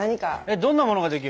どんなものができる？